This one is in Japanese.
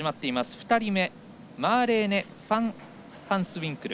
２人目、マーレーネ・ファンハンスウィンクル。